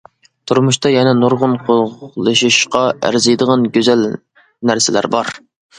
تۇرمۇشتا يەنە نۇرغۇن قوغلىشىشقا ئەرزىيدىغان گۈزەل نەرسىلەر بار!